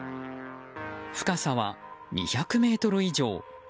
深さは２００ｍ以上。